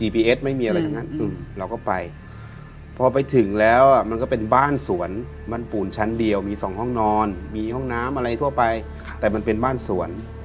พอไปถึงแล้วมันก็เป็นบ้านสวนบ้านปูนชั้นเดียวมี๒ห้องนอนมีห้องน้ำอะไรทั่วไปแต่มันเป็นบ้านสวน